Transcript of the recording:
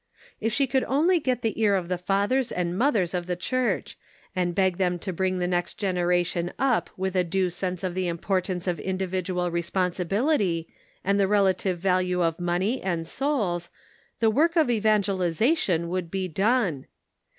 If she could only get the ear of the fathers and mothers of the church,1 and beg them to bring the next generation up with a due sense of the importance of individual re sponsibility, and the relative value of money and souls, the work of evangelization would be done